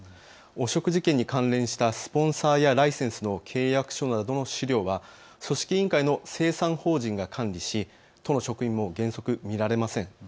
汚職事件に関連したスポンサーやライセンスの契約書などの資料は組織委員会の清算法人が管理し都の職員も原則見られません。